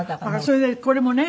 それでこれもね